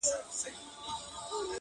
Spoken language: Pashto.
وهر يو رگ ته يې د ميني کليمه وښايه.